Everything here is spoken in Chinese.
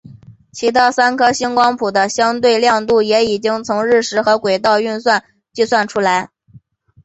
其他三颗星光谱的相对亮度也已经从日食和轨道运动计算出来。